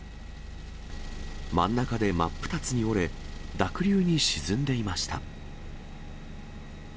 真ん中で真っ二つに折れ、濁流に沈んでいました。